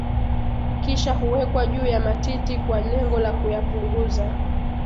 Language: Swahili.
kisha huwekwa juu ya matiti kwa lengo la kuyapunguza